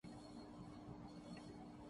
راجندرہ پرساد بھارت کے پہلے صدر تھے.